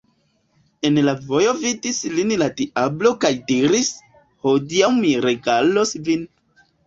En la vojo vidis lin la diablo kaj diris: « Hodiaŭ mi regalos vin.